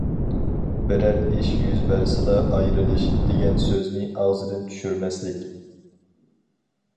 بىرەر ئىش يۈز بەرسىلا «ئايرىلىش» دېگەن سۆزنى ئاغزىدىن چۈشۈرمەسلىك.